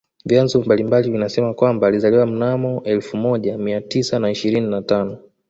Vyanzo mbalimbali vinasema kwamba alizaliwa mnamo elfu moja Mia tisa na ishirini na tano